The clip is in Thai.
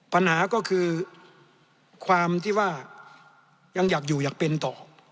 ปัญหาก็คือความที่ว่ายังอยากอยู่อยากเป็นต่อ